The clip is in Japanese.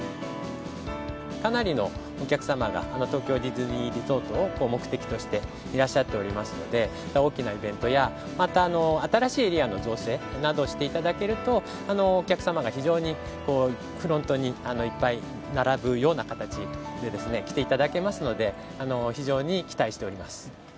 かなりのお客様が、東京ディズニーリゾートを目的としていらっしゃっておりますので、大きなイベントや、また、新しいエリアの造成などしていただけると、お客様が非常にフロントにいっぱい並ぶような形で来ていただけますので、非常に期待しております。